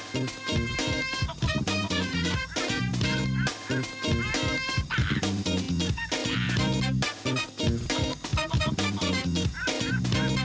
สวัสดีค่ะข้าวใส่ไทยอุ้ยตายสดไหมให้เยอะวันนี้นะคะ